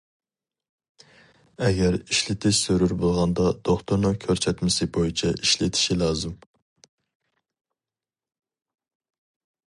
ئەگەر ئىشلىتىش زۆرۈر بولغاندا دوختۇرنىڭ كۆرسەتمىسى بويىچە ئىشلىتىشى لازىم.